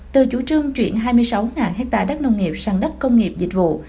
từ chủ trương chuyển hai mươi sáu hectare đất nông nghiệp sang đất công nghiệp dịch vụ